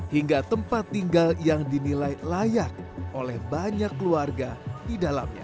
hingga tempat tinggal yang dinilai layak oleh banyak keluarga di dalamnya